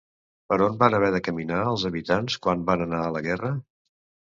Per on van haver de caminar, els habitants, quan van anar a la guerra?